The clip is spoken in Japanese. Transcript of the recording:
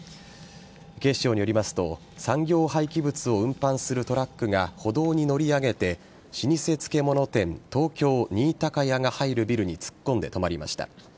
警視庁によりますと産業廃棄物を運搬するトラックが歩道に乗り上げて老舗漬物店東京にいたか屋が入るビルに突っ込んで止まりました。